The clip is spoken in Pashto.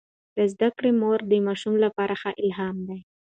د زده کړې مور د ماشومانو لپاره ښه الهام ده.